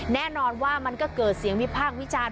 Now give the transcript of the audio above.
แน่นอนว่ามันก็เกิดเสียงวิพากษ์วิจารณ์